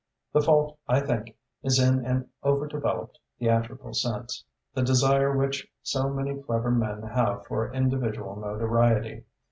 The fault, I think, is in an over developed theatrical sense, the desire which so many clever men have for individual notoriety.